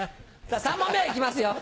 ３問目いきますよ